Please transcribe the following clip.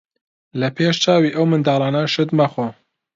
لە پێش چاوی ئەو منداڵانە شت مەخۆ.